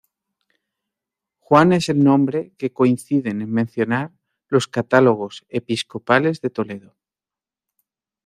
Juan es el nombre que coinciden en mencionar los catálogos episcopales de Toledo.